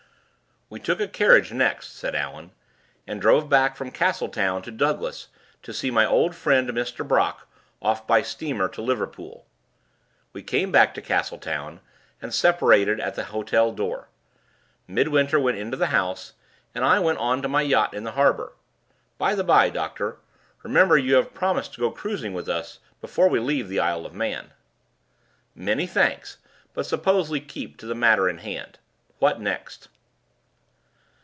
"We took a carriage next," said Allan, "and drove from Castletown to Douglas to see my old friend, Mr. Brock, off by the steamer to Liverpool. We came back to Castletown and separated at the hotel door. Midwinter went into the house, and I went on to my yacht in the harbor. By the bye, doctor, remember you have promised to go cruising with us before we leave the Isle of Man." "Many thanks; but suppose we keep to the matter in hand. What next?"